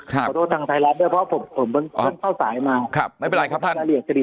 ขอโทษทางไทยรัฐด้วยเพราะผมเพิ่งเข้าสายมาครับไม่เป็นไรครับท่าน